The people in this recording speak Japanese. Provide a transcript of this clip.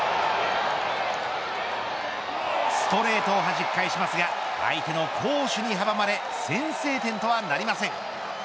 ストレートをはじき返しますが相手の好守に阻まれ先制点とはなりません。